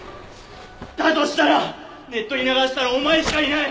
だとしたらネットに流したのはお前しかいない！